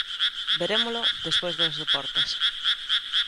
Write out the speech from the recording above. Verémolo despois dos deportes.